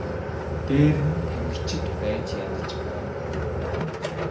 Дээр нь тамхичид байж ядаж байв.